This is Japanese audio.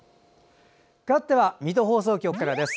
かわっては水戸放送局からです。